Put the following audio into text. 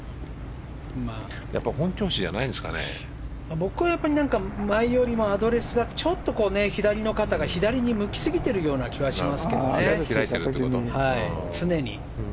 僕は前よりもアドレスがちょっと左の肩が左に向きすぎてるような気がしますけどね、常に。